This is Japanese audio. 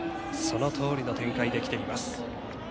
そのとおりの展開できています。